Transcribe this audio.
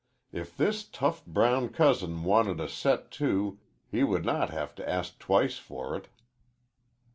If this tough brown cousin wanted a set to, he would not have to ask twice for it.